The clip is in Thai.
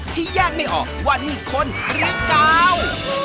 ที่แยกไม่ออกวันคนหรือกาว